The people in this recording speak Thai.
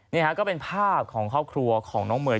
นี่ฮะก็เป็นภาพของครอบครัวของน้องเมย์